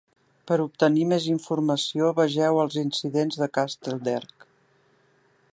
Per obtenir més informació, vegeu Els incidents de Castlederg.